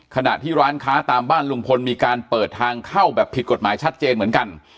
ขณะที่ร้านค้าตามบ้านลุงพลมีการเปิดทางเข้าแบบผิดกฎหมายชัดเจนเหมือนกัน